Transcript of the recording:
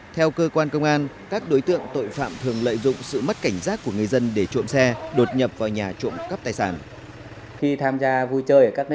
theo cơ quan công an các đối tượng tội phạm thường lợi dụng sự mất cảnh giác của người dân để trộm xe đột nhập vào nhà trộm cắp tài sản